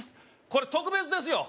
これ特別ですよ